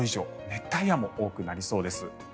熱帯夜も多くなりそうです。